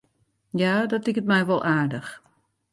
Ja, dat liket my wol aardich.